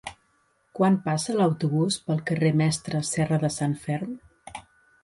Quan passa l'autobús pel carrer Mestre Serradesanferm?